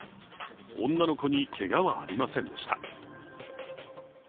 女の子にけがはありませんでした。